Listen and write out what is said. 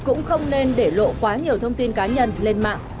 cũng không nên để lộ quá nhiều thông tin cá nhân lên mạng